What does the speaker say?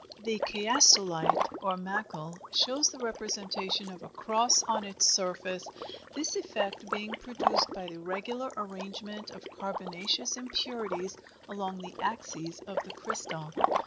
The chiastolite, or macle, shows the representation of a cross on its surface, this effect being produced by the regular arrangement of carbonaceous impurities along the axes of the crystal.